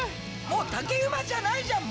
もう竹馬じゃないじゃん